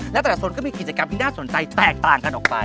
และแต่ละโซนก็มีกิจกรรมที่น่าสนใจแตกต่างกันออกไป